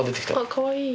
かわいい。